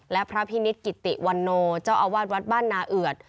และพระพินิษฐกิติวันโนเจ้าอาวาสวัดบ้านนาเอือด